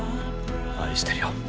愛してるよ。